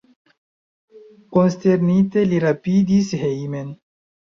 Konsternite li rapidis hejmen.